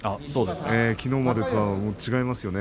きのうの相撲とは違いますよね。